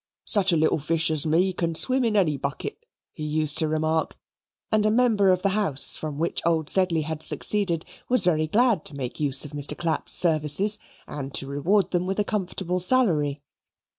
"Such a little fish as me can swim in any bucket," he used to remark, and a member of the house from which old Sedley had seceded was very glad to make use of Mr. Clapp's services and to reward them with a comfortable salary.